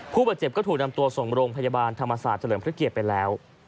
ผู้บาดเจ็บก็ถูกนำตัวส่งโรงพยาบาลธรรมศาสตร์เฉลิมพระเกียรติไปแล้ว